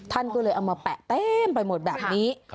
ท่านก็เลยเอามาแปะเต็มไปหมดแบบนี้